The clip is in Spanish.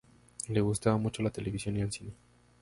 Le gustaba mucho la televisión y el cine.